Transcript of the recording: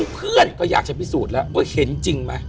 เพื่อนก็อยากจะพิสูจน์แล้วว่าเห็นจริงไหม